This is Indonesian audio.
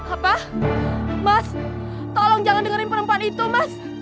apa mas tolong jangan dengerin perempuan itu mas